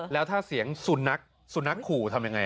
แล้วถ้าเสียงสุนัขสุนัขขู่ทำยังไง